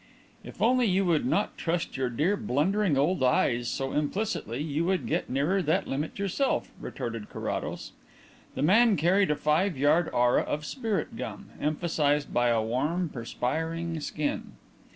"If only you would not trust your dear, blundering old eyes so implicitly you would get nearer that limit yourself," retorted Carrados. "The man carried a five yard aura of spirit gum, emphasized by a warm, perspiring skin.